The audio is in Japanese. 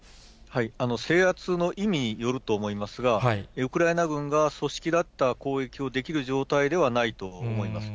制圧の意味によると思いますが、ウクライナ軍が組織だった攻撃をできる状態ではないと思います。